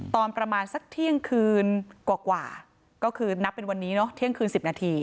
ตอนประมาณสักเที่ยงคืนกว่าก็คือนับเป็นวันนี้เนอะเที่ยงคืน๑๐นาที